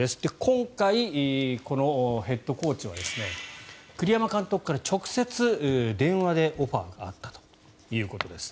今回、このヘッドコーチは栗山監督から直接、電話でオファーがあったということです。